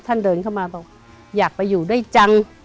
ท่านเดินเข้ามาบอกอยากไปอยู่ได้จัง